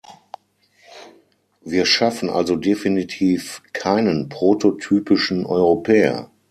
Wir schaffen also definitiv keinen prototypischen Europäer.